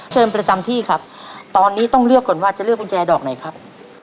ประจำที่ครับตอนนี้ต้องเลือกก่อนว่าจะเลือกกุญแจดอกไหนครับ